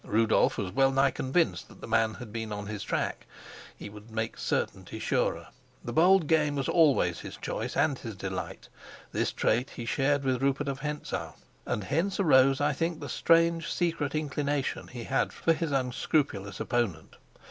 Rudolf was well nigh convinced that the man had been on his track: he would make certainty surer. The bold game was always his choice and his delight; this trait he shared with Rupert of Hentzau, and hence arose, I think, the strange secret inclination he had for his unscrupulous opponent.